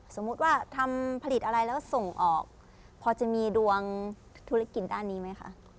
สมมุติว่าทำผลิตอะไรแล้วส่งออกพอจะมีดวงธุรกิจด้านนี้ไหมคะ